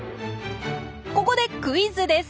ここでクイズです。